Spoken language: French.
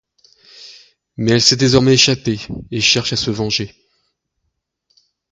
Mais elle s'est désormais échappée et cherche à se venger.